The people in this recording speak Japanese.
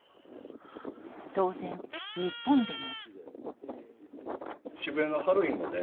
当然、日本でも。